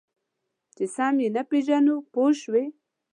چې سم یې نه پېژنو پوه شوې!.